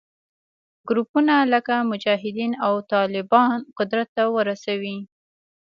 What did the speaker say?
ګروپونه لکه مجاهدین او طالبان قدرت ته ورسوي